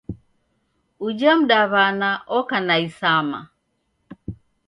Uja mdaw'ana oka na isama.